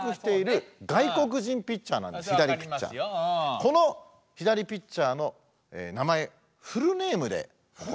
この左ピッチャーの名前フルネームでお答えください。